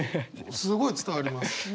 すごい伝わります。